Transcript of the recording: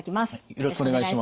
よろしくお願いします。